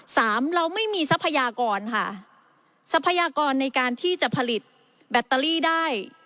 เราไม่มีทรัพยากรค่ะทรัพยากรในการที่จะผลิตแบตเตอรี่ได้